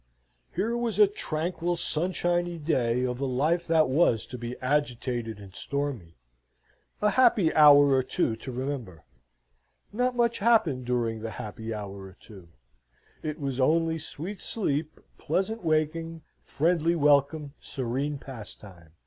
Here was a tranquil, sunshiny day of a life that was to be agitated and stormy a happy hour or two to remember. Not much happened during the happy hour or two. It was only sweet sleep, pleasant waking, friendly welcome, serene pastime.